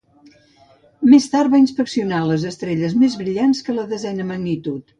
Més tard va inspeccionar les estrelles més brillants que la desena magnitud.